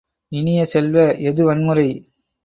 இனிய செல்வ, எது வன்முறை?